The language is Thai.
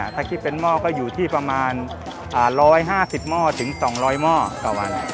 ถ้าคิดเป็นหม้อก็อยู่ที่ประมาณ๑๕๐หม้อถึง๒๐๐หม้อต่อวัน